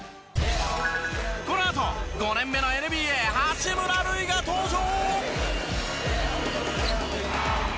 このあと５年目のＮＢＡ八村塁が登場！